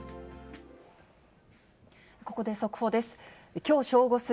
ここで速報です。